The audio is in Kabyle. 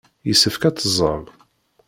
Yessefk ad teẓẓel.